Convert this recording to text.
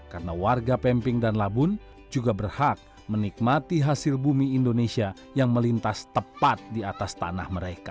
karena warga pemping dan labun juga berhak menikmati hasil bumi indonesia yang melintas tepat di atas tanah mereka